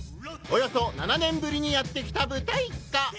およそ７年ぶりにやって来た「豚一家」！